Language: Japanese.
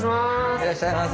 いらっしゃいませ。